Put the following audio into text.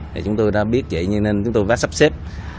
thì chúng tôi đã biết vậy nhưng nên chúng tôi đã sắp xếp